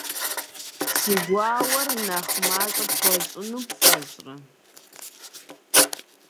Си гуауэр нэхъ мащӏэ пхуэщӏыну пфӏэщӏрэ?